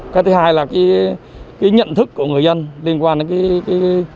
cái thứ hai là cái nhận thức của người dân liên quan đến cái